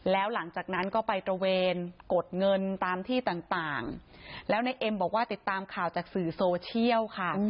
แล้วหลังจากนั้นก็ไปตระเวนกดเงินตามที่ต่างแล้วในเอ็มบอกว่าติดตามข่าวจากสื่อโซเชียลค่ะ